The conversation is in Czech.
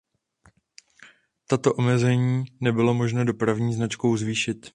Tato omezení nebylo možno dopravní značkou zvýšit.